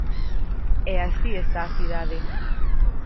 E así está a cidade.